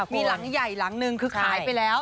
มีหลังใหญ่หลังนึงคือขายไปแล้ว